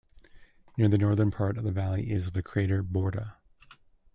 Near the northern part of the valley is the crater Borda.